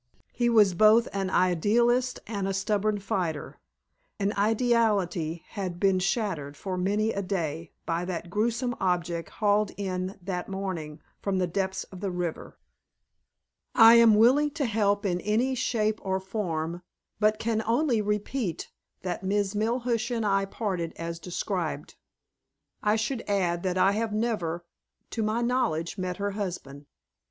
He was both an idealist and a stubborn fighter, and ideality had been shattered for many a day by that grewsome object hauled in that morning from the depths of the river. "I am willing to help in any shape or form, but can only repeat that Miss Melhuish and I parted as described. I should add that I have never, to my knowledge, met her husband."